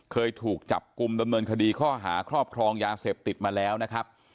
เคยถูกจับกลุ่มดำเนินคดีข้อหาครอบครองยาเสพติดมาแล้วนะครับ